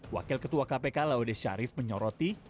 wakil ketua kpk laude syarif menyoroti